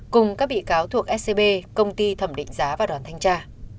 cùng các bị cáo thuộc scb công ty thẩm định giá và đoàn thanh tra